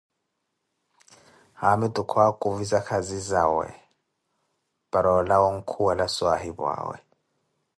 haamitu kwakuvissa khazizawe para olawa onkhuwela swaahipu awe.